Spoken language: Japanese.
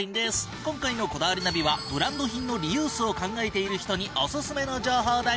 今回の『こだわりナビ』はブランド品のリユースを考えている人にオススメの情報だよ。